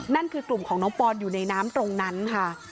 นั่นคือกลุ่มของน้องปอนอยู่ในน้ำตรงนั้นค่ะ